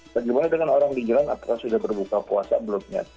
lagi banyak dengan orang di jalan apakah sudah berbuka puasa belum ya